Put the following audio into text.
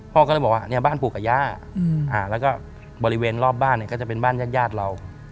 พ่อก็เลยบอกว่าเนี่ยบ้านปู่กับย่าแล้วก็บริเวณรอบบ้านเนี่ยก็จะเป็นบ้านญาติเรา